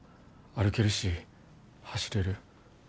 歩けるし走れる。